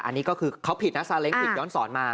อันนี้ก็คือเขาผิดนะซาเล้งผิดย้อนสอนมา